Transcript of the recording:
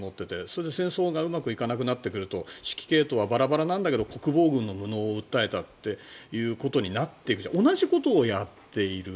それで戦争がうまくいかなくなってくると指揮系統はバラバラなんだけど国防軍の無能を訴えたということになって同じことをやっている。